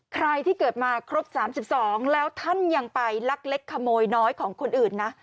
ใครที่เกิดมาครบ๓๒แล้วท่านยังไปลักเล็กขโมยน้อยของคนอื่นนะ